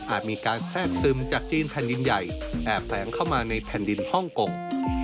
มีการแทรกซึมจากจีนแผ่นดินใหญ่แอบแฝงเข้ามาในแผ่นดินฮ่องกง